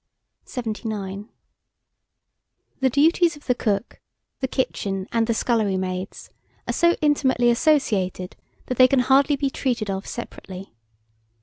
79. THE DUTIES OF THE COOK, THE KITCHEN AND THE SCULLERY MAIDS, are so intimately associated, that they can hardly be treated of separately.